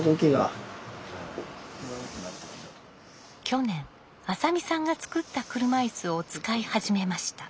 去年浅見さんが作った車いすを使い始めました。